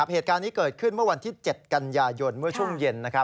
เหตุการณ์นี้เกิดขึ้นเมื่อวันที่๗กันยายนเมื่อช่วงเย็น